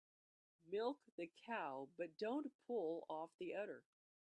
Milk the cow but don't pull off the udder.